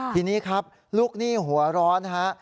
ทีนี้ครับลูกหนี้หัวร้อนฮะ